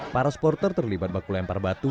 para supporter terlibat baku lempar batu